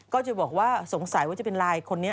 ก็จะบอกว่าสงสัยว่าจะเป็นไลน์คนนี้